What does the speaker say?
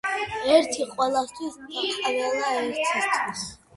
ერთი ყველასთვის და ყველა ერთისთვის